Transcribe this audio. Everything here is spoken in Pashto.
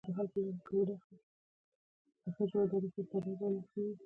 حج یو بدنې او مالی عبادت دی .